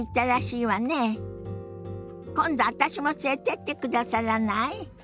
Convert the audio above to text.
今度私も連れてってくださらない？